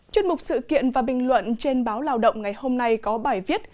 chuyên mục sự kiện và bình luận trên báo lao động ngày hôm nay có bài viết